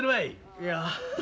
いや。